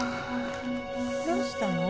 どうしたの？